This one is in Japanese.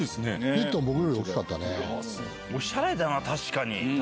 にっとん僕より大きかったね。